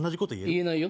言えないよ